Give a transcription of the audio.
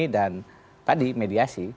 dan tadi mediasi